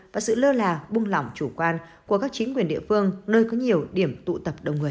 và sự lơ là buông lỏng chủ quan của các chính quyền địa phương nơi có nhiều điểm tụ tập đông người